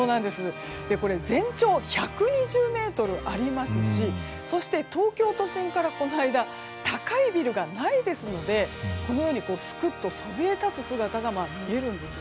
全長１２０ｍありますしそして、東京都心からこの間高いビルがないですのでこのように、すくっとそびえたつ姿が見えるんです。